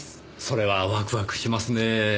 それはワクワクしますねぇ。